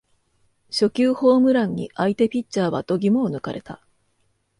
初球ホームランに相手ピッチャーは度肝を抜かれた